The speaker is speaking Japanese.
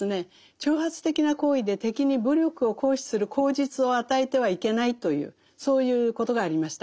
挑発的な行為で敵に武力を行使する口実を与えてはいけないというそういうことがありました。